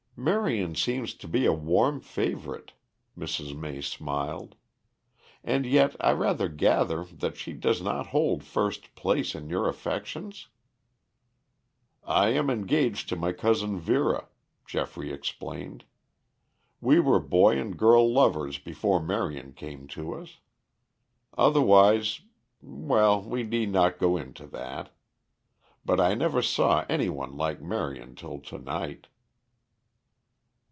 "Marion seems to be a warm favorite," Mrs. May smiled. "And yet I rather gather that she does not hold first place in your affections?" "I am engaged to my cousin Vera," Geoffrey explained. "We were boy and girl lovers before Marion came to us. Otherwise well, we need not go into that. But I never saw any one like Marion till to night."